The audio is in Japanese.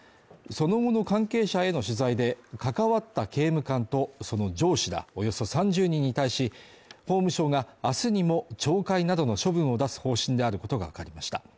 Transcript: その後の関係者への取材で関わった刑務官とその上司らおよそ３０人に対し、法務省が明日にも懲戒などの処分を出す方針であることがわかりました。